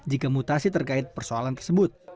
jika mutasi terkait persoalan tersebut